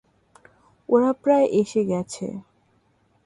ওরা প্রায় এসে গেছে।